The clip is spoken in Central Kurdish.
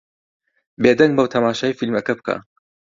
بێدەنگ بە و تەماشای فیلمەکە بکە.